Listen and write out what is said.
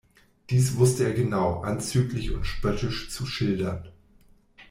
Dies wusste er genau, anzüglich und spöttisch zu schildern.